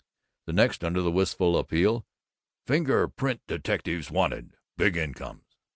The next, under the wistful appeal "Finger Print Detectives Wanted Big Incomes!"